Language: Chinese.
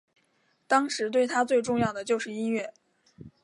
当时对他最重要的就是音乐。